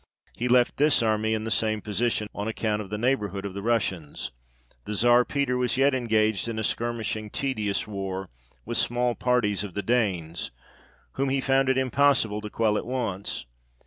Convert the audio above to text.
He left this army in the same position, on account of the neighbourhood of the Russians. The Czar Peter was yet engaged in a skirmishing tedious war, with small parties of the Danes, whom he found it impossible to quell at once.